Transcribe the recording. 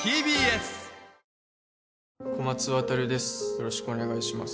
よろしくお願いします